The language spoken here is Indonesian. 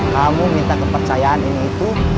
kamu minta kepercayaan ini itu